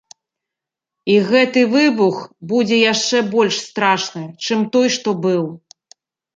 І гэты выбух будзе яшчэ больш страшны, чым той, што быў.